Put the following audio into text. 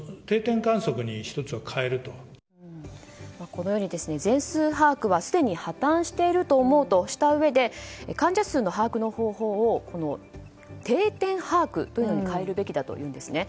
このように全数把握はすでに破たんしていると思うとしたうえで患者数の把握の方法を定点把握というのに変えるべきだというんです。